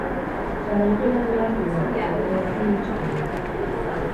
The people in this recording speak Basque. Garaipena behar zuen, eta ez du hutsik egin.